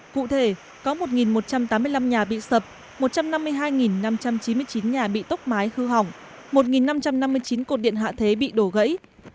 cụ thể có một một trăm tám mươi năm nhà bị sập một trăm năm mươi hai năm trăm chín mươi chín nhà bị tốc mái hư hỏng một năm trăm năm mươi chín cột điện hạ thế bị đổ gãy